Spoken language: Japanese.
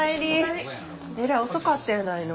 えらい遅かったやないの。